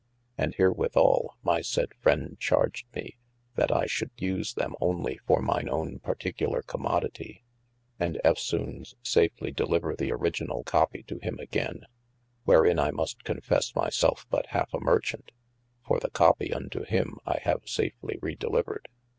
And herewithal my said friend charged me, that I should use them onely for mine owne particuler commoditie, and eftsones safely deliver the originall copie to him againe, wherein I must confesse my selfe but halfe a marchant, for the copie unto him I have safely redelivered.